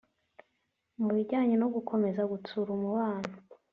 Mu bijyanye no gukomeza gutsura umubano